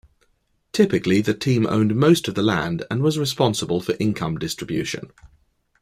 Typically the team owned most of the land and was responsible for income distribution.